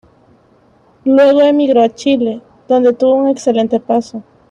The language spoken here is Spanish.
Luego emigró a Chile, donde tuvo un excelente paso.